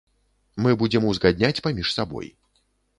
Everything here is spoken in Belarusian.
Мы будзем узгадняць паміж сабой.